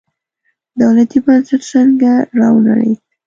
دولتي بنسټ څنګه راونړېد.